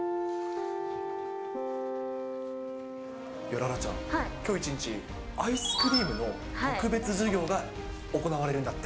楽々ちゃん、きょう一日、アイスクリームの特別授業が行われるんだって。